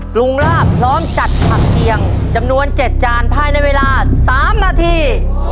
ปรุงลาบพร้อมจัดผักเคียงจำนวน๗จานภายในเวลา๓นาที